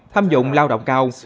thâm dụng lao động cao